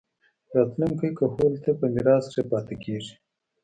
راتلونکي کهول ته پۀ ميراث کښې پاتې کيږي